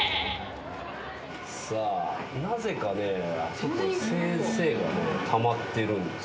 さあなぜかねあそこ先生がねたまってるんです。